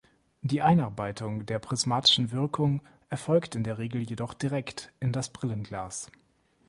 Die Einarbeitung der prismatischen Wirkung erfolgt in der Regel jedoch direkt in das Brillenglas.